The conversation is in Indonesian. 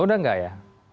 udah nggak ya